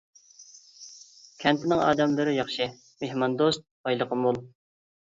كەنتنىڭ ئادەملىرى ياخشى، مېھماندوست، بايلىقى مول.